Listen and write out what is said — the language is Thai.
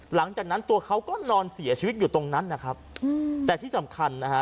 หลังจากนั้นตัวเขาก็นอนเสียชีวิตอยู่ตรงนั้นนะครับอืมแต่ที่สำคัญนะฮะ